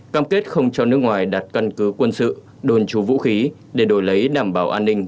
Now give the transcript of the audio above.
cam kết không cho nước ngoài đặt căn cứ quân sự đồn trú vũ khí để đổi lấy đảm bảo an ninh